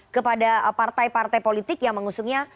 kepada partai partai politik yang mengusungnya